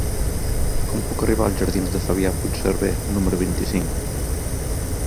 Com puc arribar als jardins de Fabià Puigserver número vint-i-cinc?